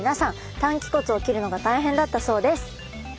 担鰭骨を切るのが大変だったそうです。